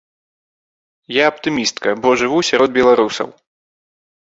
Я аптымістка, бо жыву сярод беларусаў.